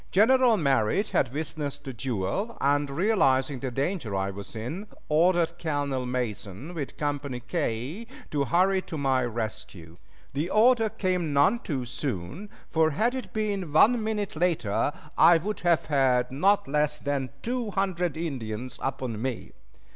General Merritt had witnessed the duel, and realizing the danger I was in, ordered Colonel Mason with Company K to hurry to my rescue. The order came none too soon, for had it been one minute later I would have had not less than two hundred Indians upon me.